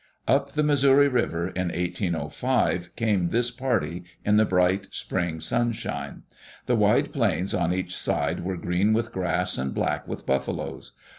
Up the Missouri River, in 1805, came this party in the bright spring sunshine. The wide plains on each side were green with grass and black with buffaloes.